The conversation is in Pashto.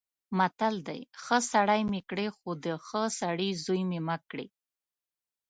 متل دی: ښه سړی مې کړې خو د ښه سړي زوی مې مه کړې.